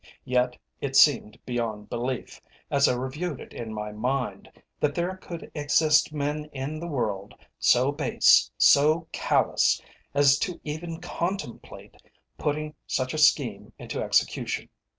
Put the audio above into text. Yet it seemed beyond belief, as I reviewed it in my mind, that there could exist men in the world, so base, so callous, as to even contemplate putting such a scheme into execution.